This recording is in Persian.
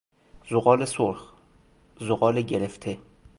زغال سرخ، زغال گرفته